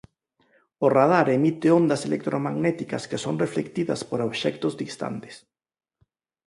O radar emite ondas electromagnéticas que son reflectidas por obxectos distantes.